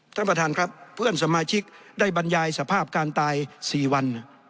ท่านประธานครับเพื่อนสมาชิกได้บรรยายสภาพการตาย๔วัน